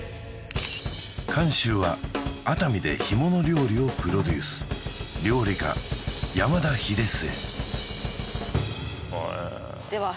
監修は熱海で干物料理をプロデュース料理家山田英季